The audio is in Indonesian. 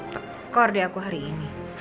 tekor di aku hari ini